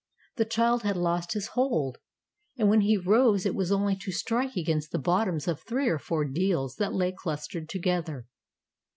The child had lost his hold, and when he rose it was only to strike against the bottoms of three or four deals that lay clustered together.